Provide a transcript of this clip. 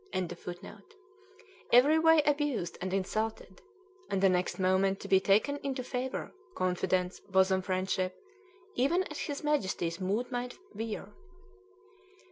] every way abused and insulted, and the next moment to be taken into favor, confidence, bosom friendship, even as his Majesty's mood might veer.